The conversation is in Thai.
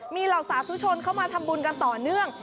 มีเหล่าสาธุชนเข้ามาทำบุญกันต่อเนื่อง